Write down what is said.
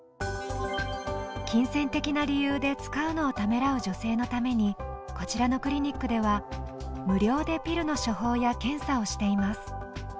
金銭的な理由で使うのをためらう女性のためにこちらのクリニックでは無料でピルの処方や検査をしています。